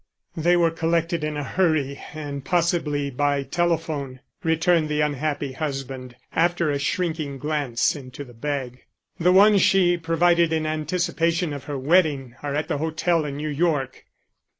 "They were collected in a hurry and possibly by telephone," returned the unhappy husband, after a shrinking glance into the bag. "The ones she provided in anticipation of her wedding are at the hotel in New York.